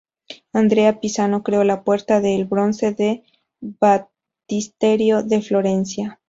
Andrea Pisano creó la puerta de el bronce del Baptisterio de Florencia.